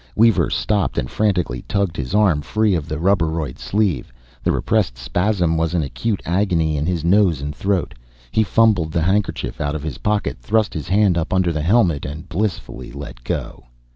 Weaver stopped and frantically tugged his arm free of the rubberoid sleeve. The repressed spasm was an acute agony in his nose and throat. He fumbled the handkerchief out of his pocket, thrust his hand up under the helmet and blissfully let go.